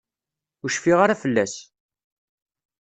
Ur cfiɣ ara fell-as.